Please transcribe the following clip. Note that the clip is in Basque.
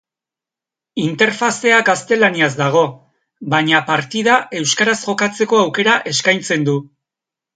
Interfazea gaztelaniaz dago, baina partida euskaraz jokatzeko aukera eskaintzen du.